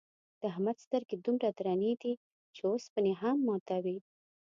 د احمد سترگې دومره درنې دي، چې اوسپنې هم ماتوي.